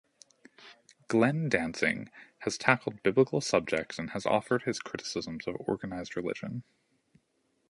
Glenn Danzig has tackled Biblical subjects and has offered his criticisms of organised religion.